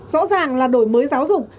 rõ ràng là đổi mới giáo dục